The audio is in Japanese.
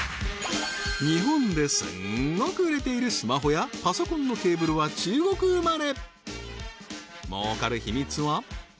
日本ですっごく売れているスマホやパソコンのケーブルは中国生まれ